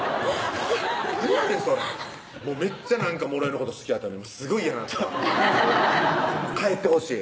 なんやねんそれもうめっちゃなんかもろえのこと好きやったのにすごい嫌なった待ってください